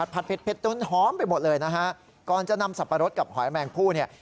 เผ็ดจนหอมไปหมดเลยนะฮะก่อนจะนำสับปะรดกับหอยแมงผู้เนี่ย